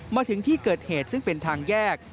มาถึงที่เกิดเหตุซึ่งเป็นทางแยก